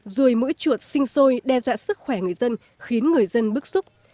ruồi mũi chuột sinh sôi đe dọa sức khỏe người dân khiến người dân bức xúc